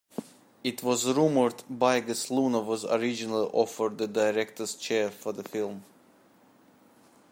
It was rumoured Bigas Luna was originally offered the directors chair for the film.